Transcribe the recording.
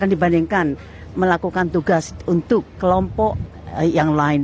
kalau misalkan dibandingkan melakukan tugas untuk kelompok yang lain